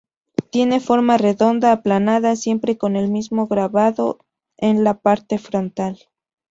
Tiene forma redonda aplanada siempre con el mismo grabado en la parte frontal.